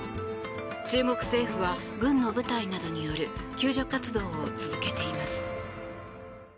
中国政府は軍の部隊などによる救助活動を続けています。